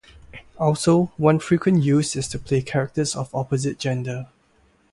Also, one frequent use is to play characters of opposite gender.